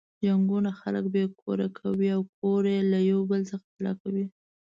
جنګونه خلک بې کوره کوي او کورنۍ له یو بل څخه جلا کوي.